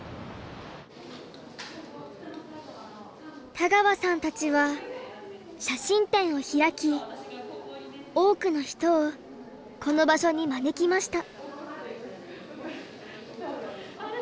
田川さんたちは写真展を開き多くの人をこの場所に招きました。